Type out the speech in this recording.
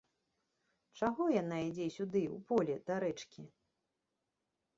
Чаго яна ідзе сюды, у поле да рэчкі?